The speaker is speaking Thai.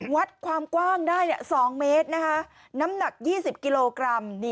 วัดความกว้างได้๒เมตรนะคะน้ำหนัก๒๐กิโลกรัม